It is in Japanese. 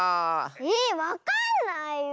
えわかんないよ。